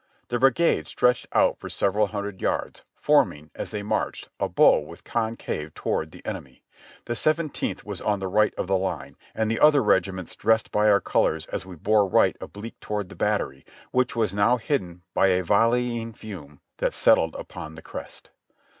The brigade stretched out for several hundred yards, forming, as they marched, a bow with concave toward the enemy. The Seventeenth was on the right of the line, and the other regiments dressed by our colors as we bore right oblique toward the battery, which was now hidden by a volleying fume that settled upon the crest.